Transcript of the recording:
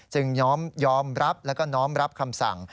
ยอมรับแล้วก็น้อมรับคำสั่ง